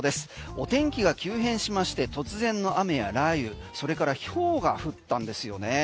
お天気が急変しまして突然の雨や雷雨それからひょうが降ったんですよね。